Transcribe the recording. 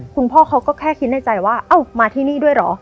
คุณพ่อเขาก็แค่คิดในใจว่าเอ้ามาที่นี่ด้วยเหรอ